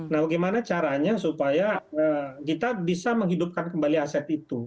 nah bagaimana caranya supaya kita bisa menghidupkan kembali aset itu